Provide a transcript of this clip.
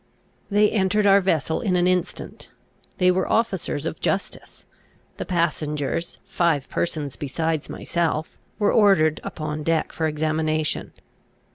They entered our vessel in an instant. They were officers of justice. The passengers, five persons besides myself, were ordered upon deck for examination.